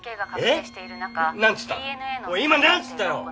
おい今何つったよ。